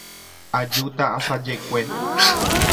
Ajúta asajekue.